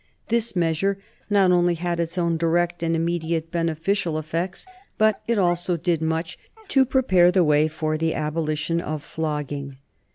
This measure not only had its own direct and immediate beneficial effects, but it also did much to prepare the way for the abolition of flogging.